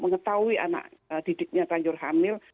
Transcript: mengetahui anak didiknya tanjur hamil